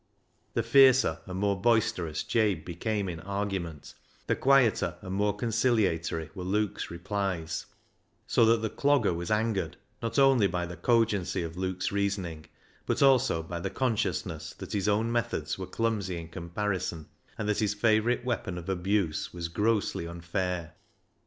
The fiercer and more boisterous Jabe became in argument, the quieter and more conciliatory were Luke's replies, so that the Clogger was angered, not only by the cogency of Luke's reasoning, but also by the conscious ness that his own methods were clumsy in com parison, and that his favourite weapon of abuse was grossly unfair.